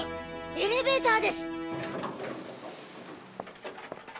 エレベーターです。